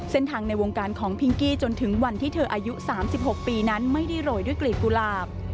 ในวงการของพิงกี้จนถึงวันที่เธออายุ๓๖ปีนั้นไม่ได้โรยด้วยกลีบกุหลาบ